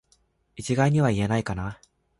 一概には言えないかな